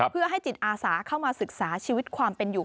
เพื่อให้จิตอาสาเข้ามาศึกษาชีวิตความเป็นอยู่